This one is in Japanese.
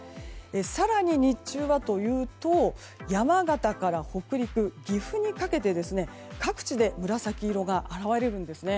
更に日中はというと山形から北陸、岐阜にかけて各地で紫色が現れるんですね。